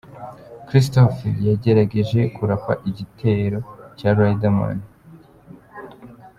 " Christopher yagerageje kurapa igitero cya Riderman.